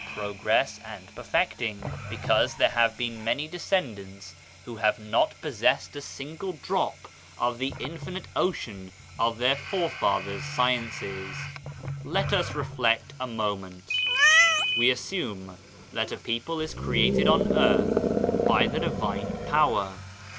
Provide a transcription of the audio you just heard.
progress and perfecting, because there have been 128 Digitized by Google OF CIVILIZATION many descendants who have not possessed a single drop of the infinite ocean of their forefathers* sciences. Let us reflect a moment. We assume that a people is created on earth by the divine Power.